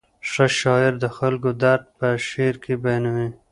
ښه شاعر د خلکو درد په شعر کې بیانوي.